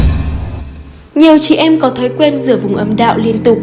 nhiều chị em có thói quen rửa vùng ấm đạo liên tục